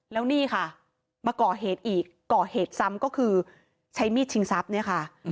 แล้วนี่ค่ะมาก่อเหตุอีกก่อเหตุซ้ำก็คือใช้มีดชิงทรัพย์เนี่ยค่ะ